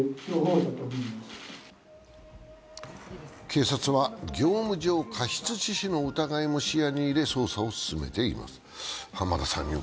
警察は業務上過失致死の疑いも視野に入れ捜査を進めています。